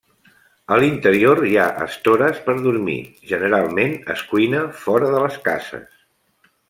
A l’interior hi ha estores per dormir; generalment es cuina fora de les cases.